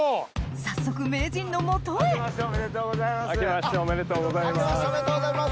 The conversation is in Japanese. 早速名人の元へあけましておめでとうございます。